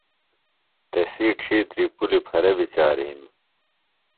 تسی ڇِھیتری پُلیۡ پھرہ بیۡ چار ہِنیۡ۔